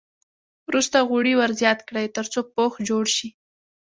وروسته غوړي ور زیات کړئ تر څو پوښ جوړ شي.